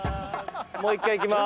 もう一回いきます。